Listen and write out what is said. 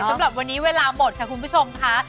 สำหรับวันนี้เวลาหมดค่ะคุณผู้ชมค่ะ